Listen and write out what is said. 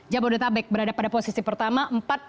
jabodetabek berada pada posisi pertama